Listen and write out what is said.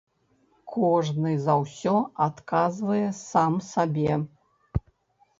Кожны за ўсё адказвае сам сабе.